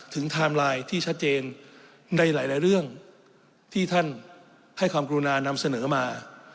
ไทม์ไลน์ที่ชัดเจนในหลายเรื่องที่ท่านให้ความกรุณานำเสนอมา